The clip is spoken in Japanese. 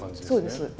そうです。